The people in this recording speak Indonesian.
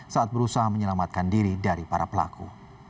saat berusaha menyelamatkan diri dari para pelaku